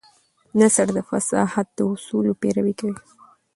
نثر د فصاحت د اصولو پيروي هم کوي.